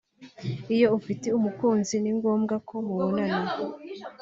Iyo ufite umukunzi ni ngombwa ko mubonana